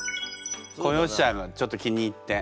「子よっしゃあ」がちょっと気に入って。